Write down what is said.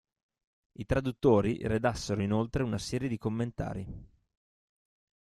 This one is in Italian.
I traduttori redassero inoltre una serie di commentari.